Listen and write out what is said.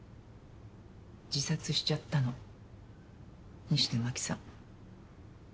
自殺しちゃったの西田真紀さん。